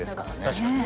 確かに。